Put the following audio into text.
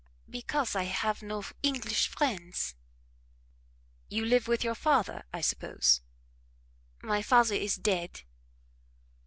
"Because I have no English friends." "You live with your father, I suppose?" "My father is dead."